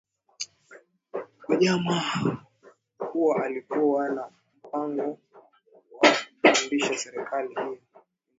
kwa jama kuwa alikuwa na mpango wa kuipindua serikali hiyo